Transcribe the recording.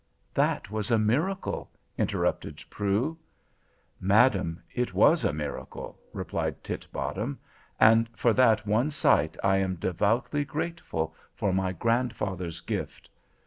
"That was a miracle," interrupted Prue. "Madam, it was a miracle," replied Titbottom, "and for that one sight I am devoutly grateful for my grandfather's gift.